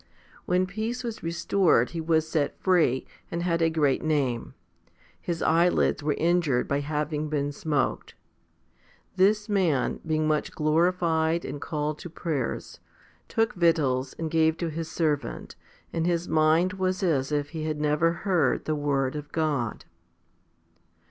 When peace was restored, he was set free, and had a great name. His eyelids were injured by having been smoked. This man, being much glorified and called to prayers, took victuals, and gave to his servant, and his mind was as if he had never heard the word of God.